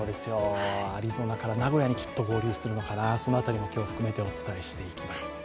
アリゾナから名古屋に合流するのか、その辺りも含めてお伝えしていきます。